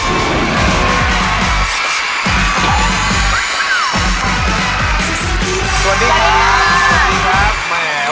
สวัสดีครับ